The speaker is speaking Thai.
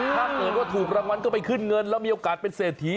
ถ้าเกิดว่าถูกรางวัลก็ไปขึ้นเงินแล้วมีโอกาสเป็นเศรษฐี